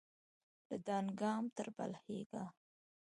له دانګام تر بلهیکا